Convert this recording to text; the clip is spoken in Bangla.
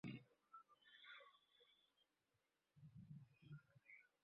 আমি আইনগতভাবে সবকিছু দেখব।